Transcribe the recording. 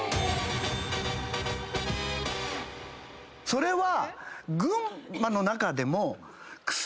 それは。